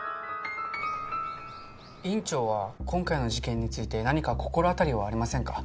院長は今回の事件について何か心当たりはありませんか？